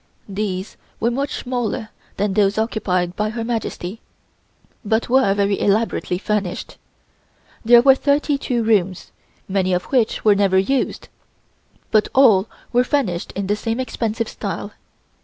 These were much smaller than those occupied by Her Majesty, but were very elaborately furnished. There were thirty two rooms, many of which were never used, but all were furnished in the same expensive style.